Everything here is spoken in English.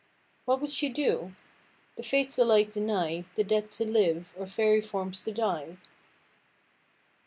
What would she do? The Fates alike deny The dead to live, or fairy forms to die."